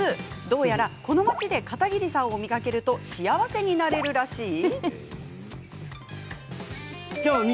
どうやら、この町で片桐さんを見かけると幸せになれるらしい？